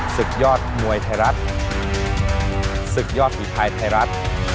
ศึกยอดมวยไทยรัฐศึกยอดฝีภายไทยรัฐ